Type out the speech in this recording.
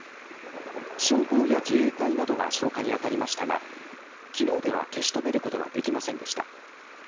消防や自衛隊などが消火に当たりましたがきのうでは、消し止めることができませんでした。